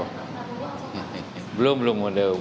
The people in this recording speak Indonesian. ya sedang diusahakan semua toko toko